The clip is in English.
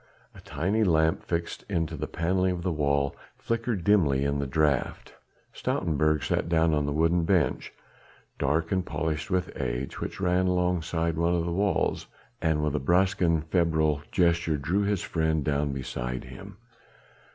A tiny lamp fixed into the panelling of the wall flickered dimly in the draught. Stoutenburg sat down on the wooden bench dark and polished with age, which ran alongside one of the walls, and with a brusque and febrile gesture drew his friend down beside him.